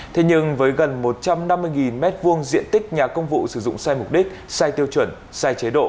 thế nhưng với gần một trăm năm mươi m hai diện tích nhà công vụ sử dụng sai mục đích sai tiêu chuẩn sai chế độ